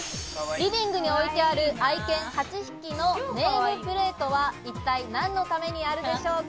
リビングに置いてある愛犬８匹のネームプレートは一体何のためにあるでしょうか？